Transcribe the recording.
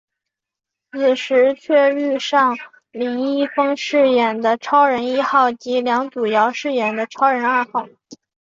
此时却遇上林一峰饰演的超人一号及梁祖尧饰演的超人二号。